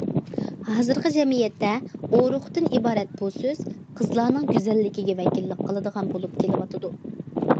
ھازىرقى جەمئىيەتتە« ئورۇق» تىن ئىبارەت بۇ سۆز قىزلارنىڭ گۈزەللىكىگە ۋەكىللىك قىلىدىغان بولۇپ كېلىۋاتىدۇ.